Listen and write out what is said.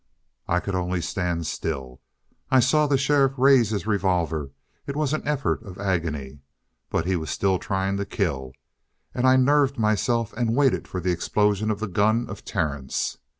"I could only stand still. I saw the sheriff raise his revolver. It was an effort of agony. But he was still trying to kill. And I nerved myself and waited for the explosion of the gun of Terence.